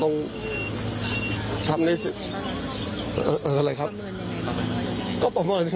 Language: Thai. นี่